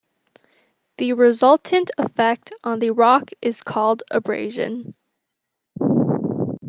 The resultant effect on the rock is called abrasion.